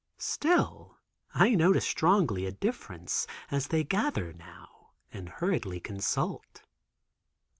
Still I notice strongly a difference as they gather now and hurriedly consult.